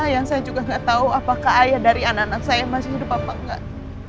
yang saya juga nggak tahu apakah ayah dari anak anak saya masih hidup apa enggak